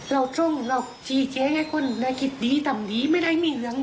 เราชงเราจีให้คนมีเงินไม่เงินที่จะมีเหลือง